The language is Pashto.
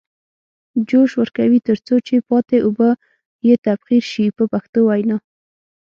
جوش ورکوي تر څو چې پاتې اوبه یې تبخیر شي په پښتو وینا.